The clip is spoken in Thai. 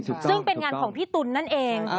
ซึ่งเป็นงานของพี่ตุ๋นนั่นเอง